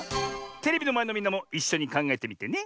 テレビのまえのみんなもいっしょにかんがえてみてね。